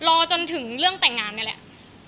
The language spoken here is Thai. รอจนถึงเรื่องแต่งงานนี่แหละ